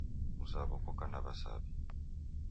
Mzaw'o koka na w'asaw'i